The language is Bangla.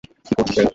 কী করছে সে?